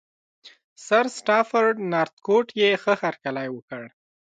سرسټافرډ نارتکوټ یې ښه هرکلی وکړ.